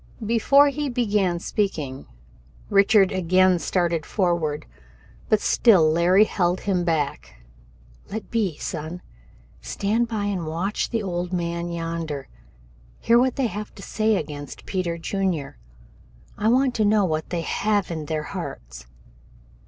Before he began speaking, Richard again started forward, but still Larry held him back. "Let be, son. Stand by and watch the old man yonder. Hear what they have to say against Peter Junior. I want to know what they have in their hearts."